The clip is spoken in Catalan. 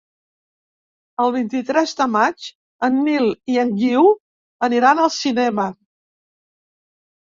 El vint-i-tres de maig en Nil i en Guiu aniran al cinema.